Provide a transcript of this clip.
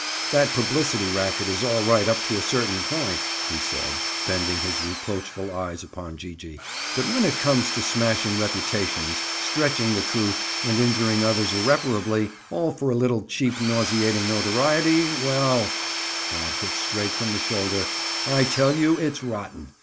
"That publicity racket is all right up to a certain point," he said, bending his reproachful eyes upon Gee gee. "But when it comes to smashing reputations, stretching the truth, and injuring others irreparably—all for a little cheap nauseating notoriety—Well"—Bob hit straight from the shoulder—"I tell you it's rotten.